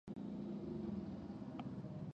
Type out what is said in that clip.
د اوسپنې پټلۍ اداره ریل ګاډي اداره کوي